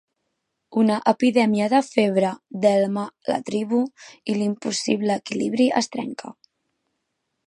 Una epidèmia de febre delma la tribu i l'impossible equilibri es trenca.